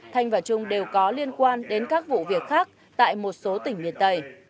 thanh và trung đều có liên quan đến các vụ việc khác tại một số tỉnh miền tây